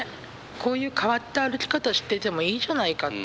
こういう変わった歩き方しててもいいじゃないかと。